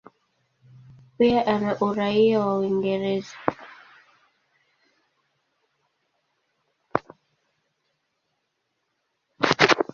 Pia ana uraia wa Uingereza.